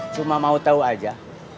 cuma mau tau aja